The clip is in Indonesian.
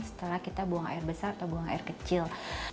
setelah kita buang air besar atau buang air kecil